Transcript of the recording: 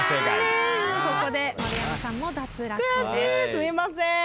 すいません。